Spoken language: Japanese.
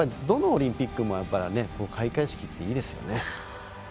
どのオリンピックも開会式っていいですよね。